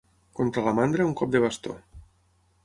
Contra la mandra, un cop de bastó.